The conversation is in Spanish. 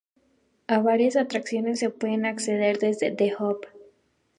A varias atracciones se puede acceder desde "The Hub".